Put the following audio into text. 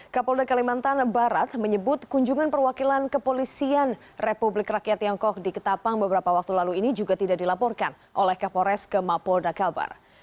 kapolda kalimantan barat menyebut kunjungan perwakilan kepolisian republik rakyat tiongkok di ketapang beberapa waktu lalu ini juga tidak dilaporkan oleh kapolres ke mapolda kalbar